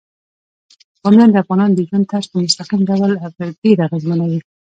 بامیان د افغانانو د ژوند طرز په مستقیم ډول ډیر اغېزمنوي.